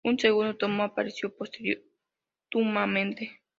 Un segundo tomo apareció póstumamente.